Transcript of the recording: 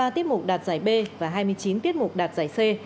hai mươi ba tiết mục đạt giải b và hai mươi chín tiết mục đạt giải c